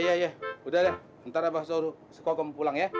ya ya udah deh ntar abah suruh sekolah kom pulang ya